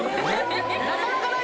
なかなかない。